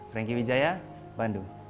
franky wijaya bandung